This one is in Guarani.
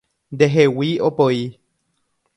Ndehegui opoi